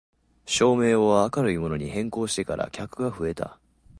照明を明るいものに変更してから客が増えた